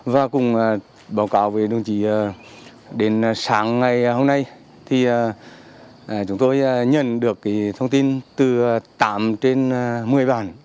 và cũng báo cáo với đồng chí đến sáng ngày hôm nay thì chúng tôi nhận được thông tin từ tám trên một mươi bản